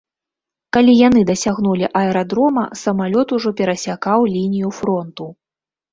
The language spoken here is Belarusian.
Калі яны дасягнулі аэрадрома, самалёт ужо перасякаў лінію фронту.